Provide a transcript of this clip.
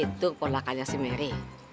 itu perlakannya si mary